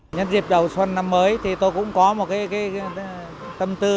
nhân dịp đầu xuân năm mới thì tôi cũng có một cái tâm tư